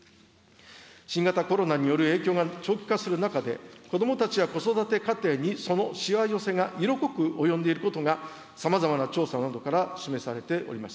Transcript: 新型コロナによる影響が長期化する中で、子どもたちや子育て家庭にそのしわ寄せが色濃く及んでいることが、さまざまな調査などから示されております。